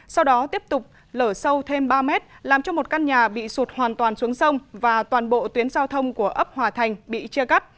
sau đó tiếp tục lở sâu thêm ba mét làm cho một căn nhà bị sụt hoàn toàn xuống sông và toàn bộ tuyến giao thông của ấp hòa thành bị chia cắt